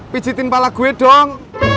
pijitin kepala gue dong